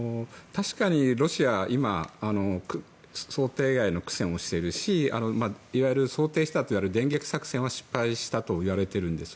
確かにロシアは今想定外の苦戦をしているしいわゆる想定したといわれる電撃作戦は失敗したといわれているんです。